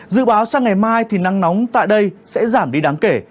dự báo sang ngày mai thì nắng nóng tại đây sẽ giảm đi đáng kể